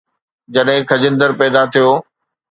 جڏهن خجندر پيدا ٿيو